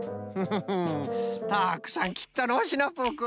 フフフたくさんきったのうシナプーくん。